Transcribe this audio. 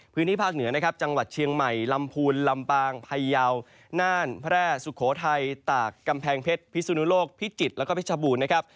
พื้นที่ภาคเหนือนะครับจังหวัดเชียงใหม่ลำพูนลำปางพยาวน่านแพร่สุโขทัยตากกำแพงเพชรพิสุนุโลกพิจิตรแล้วก็เพชรบูรณ์นะครับ